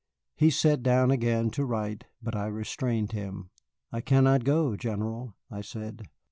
He sat down again to write, but I restrained him. "I cannot go, General," I said.